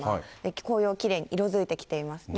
紅葉、きれいに色づいてきてますね。